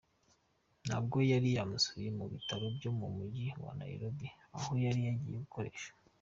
nabwo yari yamusuye mu bitaro byo mu mujyi wa Nairobi aho yari yagiye gukoresha.